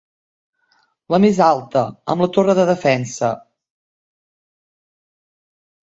La més alta, amb la torre de defensa.